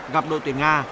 gặp đội tuyển nga